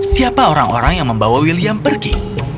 siapa orang orang yang membawa william pergi